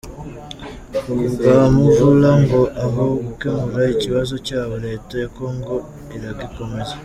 Ku bwa Muvula ngo aho gukemura ikibazo cyabo, Leta ya Congo iragikomeza.